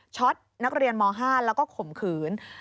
นักเรียนม๕แล้วก็ข่มขืน